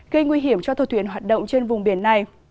gây nguy hiểm cho tàu thuyền hoạt động trên vùng biển này